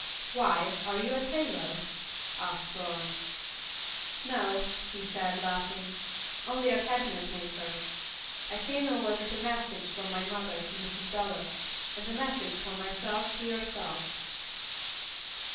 "Why, are you a tailor?" asked Florence. "No," he said, laughing, "only a cabinetmaker. I came over with a message from my mother to Mrs. Dallas, and a message from myself to yourselves."